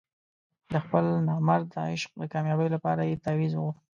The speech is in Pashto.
د خپل نامراده عشق د کامیابۍ لپاره یې تاویز وغوښت.